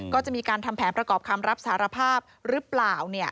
ก็จะมีการทำแผนประกอบคำรับสารภาพหรือเปล่า